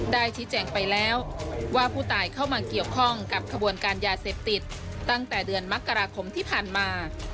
ได้ชี้แจงไปแล้วว่าผู้ตายเข้ามาเกี่ยวข้องกับขบวนการยาเสพติดตั้งแต่เดือนมกราคมที่ผ่านมา